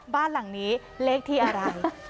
บ้านหลังนี้เลขที่อะไร